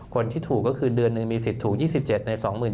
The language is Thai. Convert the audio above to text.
คนที่ถูกก็คือเดือนหนึ่งมีสิทธิ์ถูก๒๗ใน๒๐๐